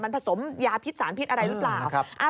มันผสมยาพิษสารพิษอะไรหรือเปล่า